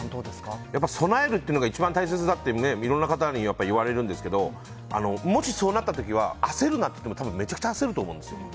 備えるっていうのが一番大切だっていろんな方にやっぱり言われるんですけどもし、そうなった時は焦るなって言ってもめちゃくちゃ焦ると思うんですよ。